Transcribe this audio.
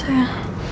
biar gak telat